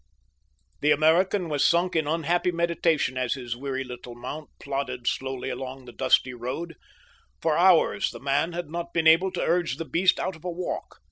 The American was sunk in unhappy meditation as his weary little mount plodded slowly along the dusty road. For hours the man had not been able to urge the beast out of a walk.